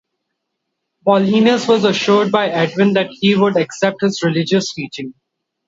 Paulinus was assured by Edwin that he would accept his religious teaching.